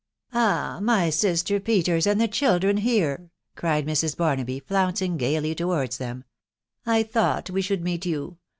"Ah! my sister Peters and the children here!" cried Mrs. Barnaby, flouncing gaily towards them "I thought we should meet you.